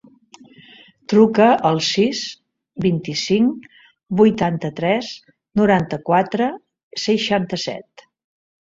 Truca al sis, vint-i-cinc, vuitanta-tres, noranta-quatre, seixanta-set.